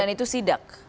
dan itu sidak